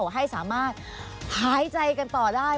ให้สามารถหายใจกันต่อได้